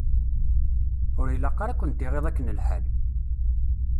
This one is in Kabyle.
Ur ilaq ara ad kunt-iɣiḍ akken lḥal!